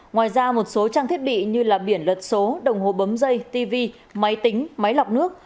ngoài ra một số trang thiết bị như biển luật số đồng hồ bấm dây tv máy tính máy lọc nước